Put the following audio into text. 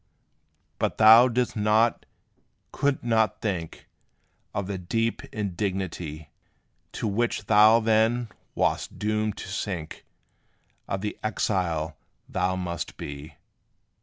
But thou didst not, couldst not think Of the deep indignity, To which thou then wast doomed to sink Of the exile thou must be.